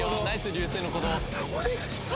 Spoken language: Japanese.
お願いします